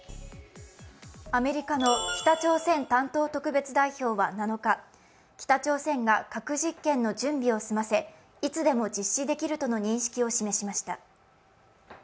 アメリカの北朝鮮担当特別代表は７日、北朝鮮が核実験の準備を済ませ、いつでも実施できるとの認識を示しました。